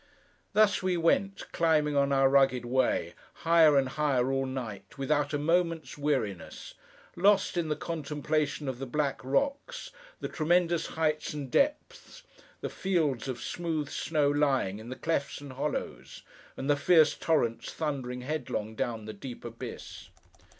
Thus we went, climbing on our rugged way, higher and higher all night, without a moment's weariness: lost in the contemplation of the black rocks, the tremendous heights and depths, the fields of smooth snow lying, in the clefts and hollows, and the fierce torrents thundering headlong down the deep abyss.